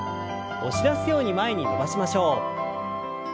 押し出すように前に伸ばしましょう。